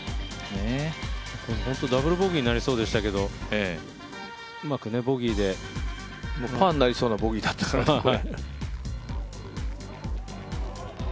ダブルボギーになりそうでしたけどうまくボギーで、パーになりそうなボギーだったからね。